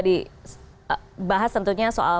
dibahas tentunya soal